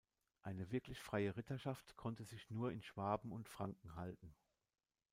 Eine wirklich freie Ritterschaft konnte sich nur in Schwaben und Franken halten.